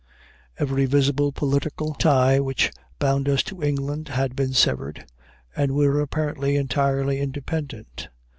Every visible political tie which bound us to England had been severed, and we were apparently entirely independent.